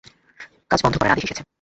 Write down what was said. কাজ বন্ধ করার আদেশ এসেছে।